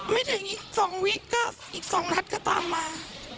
ไม่ถึงอีกสองวินาทีก็อีกสองทัศน์ก็ตามมา